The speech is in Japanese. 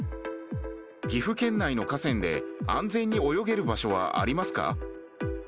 岐阜県内の河川で安全に泳げる場所はありますか？